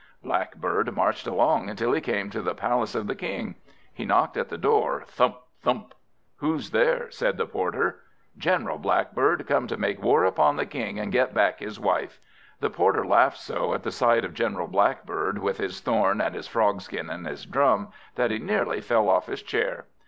Blackbird marched along until he came to the palace of the King. He knocked at the door, thump, thump. "Who's there?" said the Porter. "General Blackbird, come to make war upon the King, and get back his wife." The Porter laughed so at the sight of General Blackbird, with his thorn, and his frogskin, and his drum, that he nearly fell off his chair.